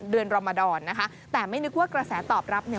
เดือนรมดรนะคะแต่ไม่นึกว่ากระแสตอบรับเนี่ย